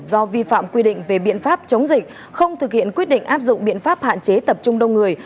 do vi phạm quy định về biện pháp chống dịch không thực hiện quyết định áp dụng biện pháp hạn chế tập trung đông người